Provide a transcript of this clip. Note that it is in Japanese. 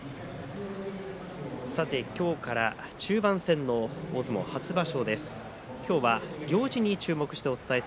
さて今日から中盤戦の大相撲初場所です。